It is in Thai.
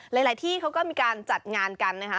หลายที่เขาก็มีการจัดงานกันนะคะ